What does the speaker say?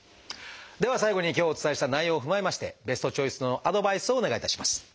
では最後に今日お伝えした内容を踏まえましてベストチョイスのアドバイスをお願いいたします。